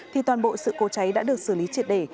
thì toàn bộ sự cố cháy đã được xử lý triệt để